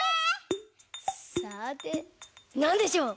さてなんでしょう？